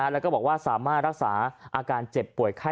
แล้วก็บอกว่าสามารถรักษาอาการเจ็บป่วยไข้